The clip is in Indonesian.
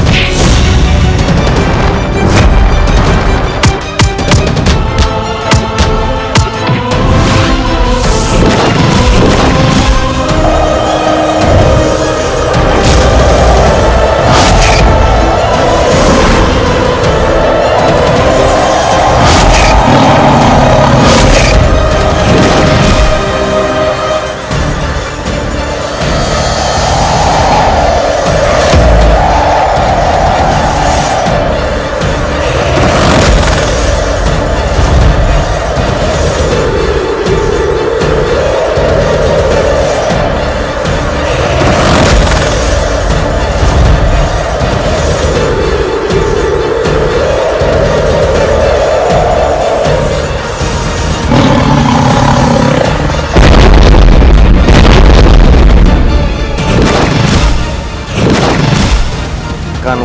rara santang harus segera disingkirkan